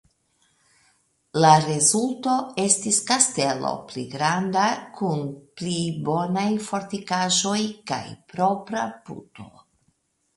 La rezulto estis kastelo pli granda kun pli bonaj fortikaĵoj kaj propra puto.